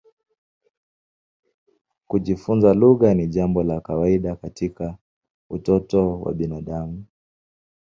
Kujifunza lugha ni jambo la kawaida katika utoto wa binadamu.